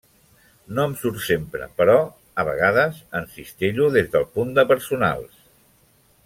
No em surt sempre, però a vegades encistello des del punt de personals.